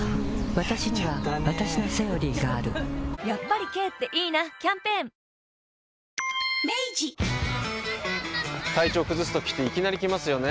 わたしにはわたしの「セオリー」があるやっぱり軽っていいなキャンペーン体調崩すときっていきなり来ますよね。